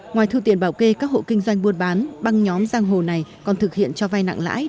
ngoài thu tiền bảo kê các hộ kinh doanh buôn bán băng nhóm giang hồ này còn thực hiện cho vay nặng lãi